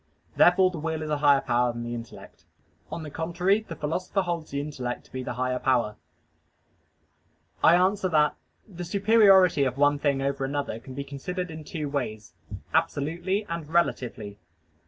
Therefore the will is a higher power than the intellect. On the contrary, The Philosopher holds the intellect to be the higher power than the intellect. I answer that, The superiority of one thing over another can be considered in two ways: "absolutely" and "relatively."